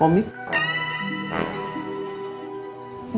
aren baca buku pelajaran